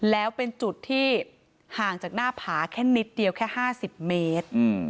แล้วเป็นจุดที่ห่างจากหน้าผาแค่นิดเดียวแค่๕๐เมตร